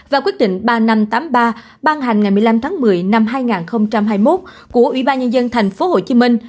và quyết định ba năm tám ba ban hành ngày một mươi năm tháng một mươi năm hai nghìn hai mươi một của ủy ban nhân dân tp hcm